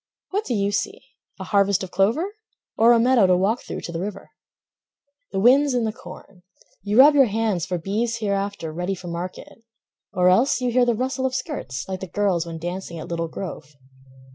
What do you see, a harvest of clover? Or a meadow to walk through to the river? The wind's in the corn; you rub your hands For beeves hereafter ready for market; Or else you hear the rustle of skirts Like the girls when dancing at Little Grove.